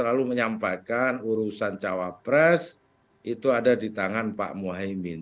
lalu menyampaikan urusan cawapres itu ada di tangan pak muhaymin